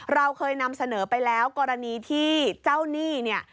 เราเคยนำเสนอไปแล้วกรณีที่เจ้าหนี้เนี่ย